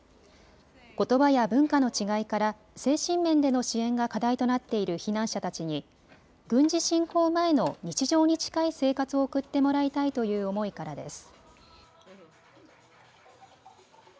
ことばや文化の違いから精神面での支援が課題となっている避難者たちに軍事侵攻前の日常に近い生活を送ってもらいたいという思いからです。